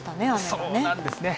そうなんですね。